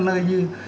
các nơi như